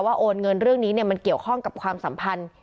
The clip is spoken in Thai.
โอนเงินเรื่องนี้มันเกี่ยวข้องกับความสัมพันธ์